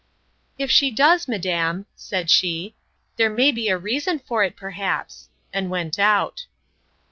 If she does, madam, said she, there may be a reason for it, perhaps! and went out.